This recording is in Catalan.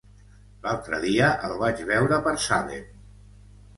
L'altre dia el vaig veure per Salem.